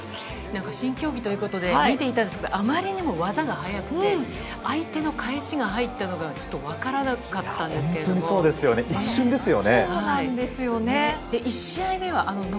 新競技ということで見ていたんですが、あまりにも技が速くて相手の返しが入ったのが分からなかったのが一瞬ですけれど。